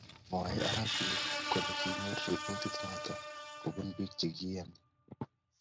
Mwoe arap Kibet kole kinyor ripotit noto kobun bik chik chieiyoni